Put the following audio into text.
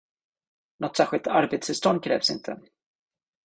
Något särskilt arbetstillstånd krävs inte.